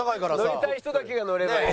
乗りたい人だけが乗ればいい。